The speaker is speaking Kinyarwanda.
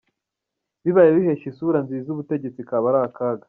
Bibaye bihesha isura nziza ubutegetsi kaba ari akaga.